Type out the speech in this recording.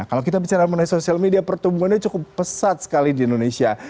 kalau kita bicara mengenai sosial media pertumbuhannya cukup pesat sekali di indonesia